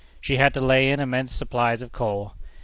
She had to lay in immense supplies of coal.